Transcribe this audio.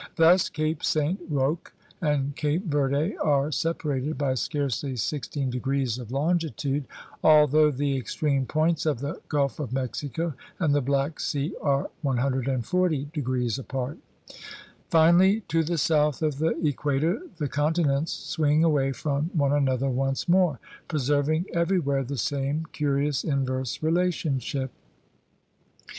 Thus Cape Saint Roque and Cape Verde are separated by scarcely 16° of longitude, although the extreme points of the Gulf of Mexico and the Black Sea are 140° apart. Finally to the south of the equator the conti nents swing away from one another once more, preserving everywhere the same curious inverse relationship.